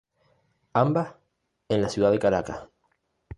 Ambas en la ciudad de Caracas.